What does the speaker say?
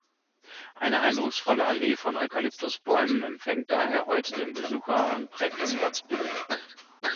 Eine eindrucksvolle Allee von Eukalyptusbäumen empfängt daher heute den Besucher und prägt das Ortsbild.